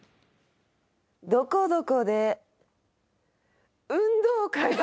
「どこどこで運動会が」